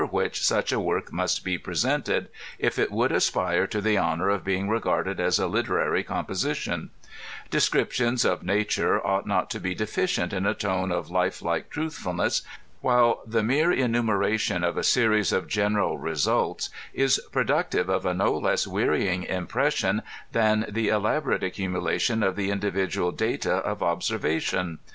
IX which such a woik must be piesoited, if it would Mpiie to the honor of being regarded as a literary oompositknL De scriptions of nature ought not to be deficient in a tone of li£y like truthfulness, while the mere enumeration of a series of general results is produotiTe of a no less wearying impression than the elaborate accumulation of the individual data of ob* fiervation.